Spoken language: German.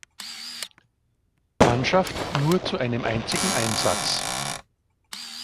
Mannschaft nur zu einem einzigen Einsatz.